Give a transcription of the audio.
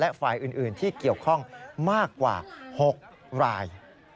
และฝ่ายอื่นที่เกี่ยวข้องมากกว่า๖ราย